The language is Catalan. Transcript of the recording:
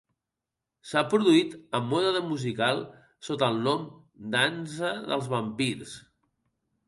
S"ha produït a mode de musical sota el nom "Dansa des vampirs".